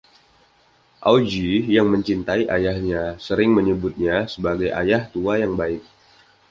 Augie, yang mencintai ayahnya, sering menyebutnya sebagai Ayah tua yang baik.